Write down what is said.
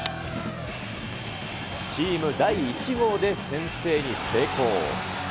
チーム第１号で先制に成功。